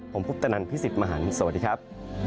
ผมพุทธนันพี่สิทธิ์มหันฯสวัสดีครับ